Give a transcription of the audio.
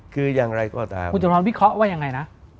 คืออย่างไรก็ตามคุณจรรวิเคราะห์ว่ายังไงนะ